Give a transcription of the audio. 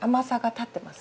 立ってます。